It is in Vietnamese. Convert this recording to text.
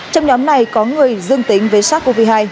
trong nhóm này có người dương tính với sars cov hai